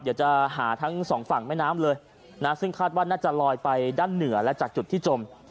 เดี๋ยวจะหาทั้งสองฝั่งแม่น้ำเลยนะซึ่งคาดว่าน่าจะลอยไปด้านเหนือและจากจุดที่จม